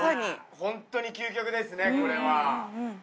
ホントに究極ですねこれは。